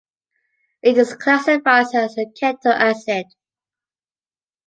It is classified as a keto acid.